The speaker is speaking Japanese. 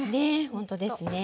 ほんとですね。